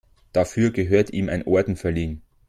Dafür gehört ihm ein Orden verliehen.